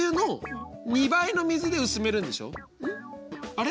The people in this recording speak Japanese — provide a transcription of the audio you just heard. あれ？